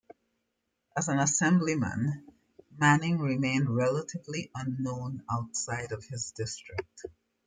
As an Assemblyman, Manning remained relatively unknown outside of his district.